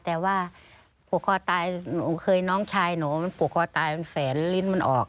แต่ว่าผูกคอตายหนูเคยน้องชายหนูมันผูกคอตายมันแฝนลิ้นมันออก